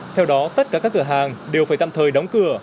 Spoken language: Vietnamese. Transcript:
theo đó tất cả các cửa hàng đều phải tạm thời đóng cửa